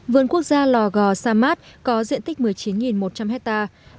vườn quốc gia lò gò sa mát có diện tích một mươi chín một trăm linh hectare